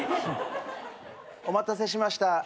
お待たせしました。